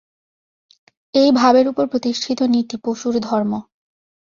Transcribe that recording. এই ভাবের উপর প্রতিষ্ঠিত নীতি পশুর ধর্ম।